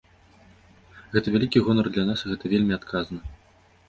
Гэта вялікі гонар для нас і гэта вельмі адказна.